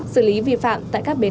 xử lý vi phạm tại các phương tiện